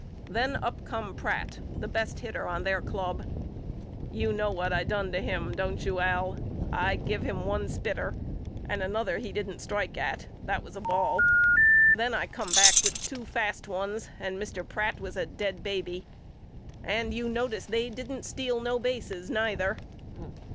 Then up come Pratt the best hitter on their club. You know what I done to him don't you Al? I give him one spitter and another he didn't strike at that was a ball. Then I come back with two fast ones and Mister Pratt was a dead baby. And you notice they didn't steal no bases neither.